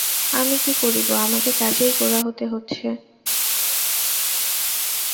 আমি কি করিব, আমাকে কাজেই গোঁড়া হতে হচ্ছে।